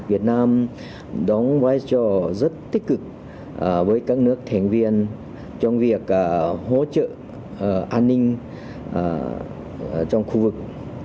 việt nam đóng vai trò rất tích cực với các nước thành viên trong việc hỗ trợ an ninh trong khu vực